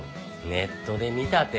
ネットで見たて。